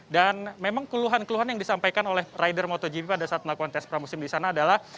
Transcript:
dan memang keluhan keluhan yang disampaikan oleh rider motogp pada saat melakukan tes pramusim di sana adalah